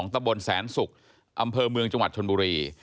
ตะบนแสนศุกร์อำเภอเมืองจังหวัดชนบุรี